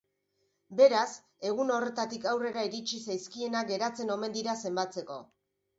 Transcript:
Beraz, egun horretatik aurrera iritsi zaizkienak geratzen omen dira zenbatzeko.